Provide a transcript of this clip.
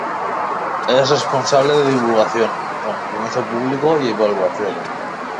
Es responsable de divulgación, compromiso público y evaluación.